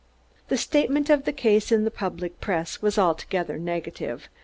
The statement of the case in the public press was altogether negative.